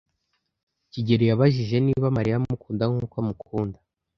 kigeli yibajije niba Mariya amukunda nkuko amukunda.